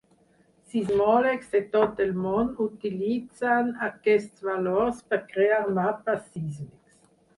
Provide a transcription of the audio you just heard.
Sismòlegs de tot el món utilitzen aquests valors per crear mapes sísmics.